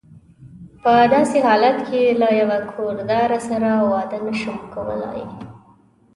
په داسې حالت کې له یوه کور داره سره واده نه شم کولای.